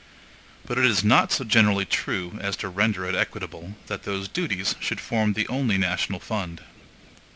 But it is not so generally true as to render it equitable, that those duties should form the only national fund.